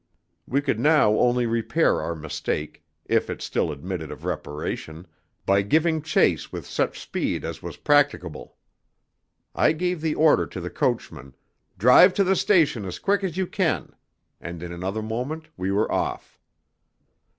We could now only repair our mistake, if it still admitted of reparation, by giving chase with such speed as was practicable. I gave the order to the coachman, "Drive to the station as quick as you can," and in another moment we were off.